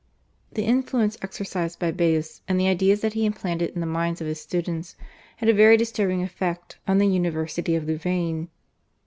The influence exercised by Baius, and the ideas that he implanted in the minds of his students had a very disturbing effect on the University of Louvain.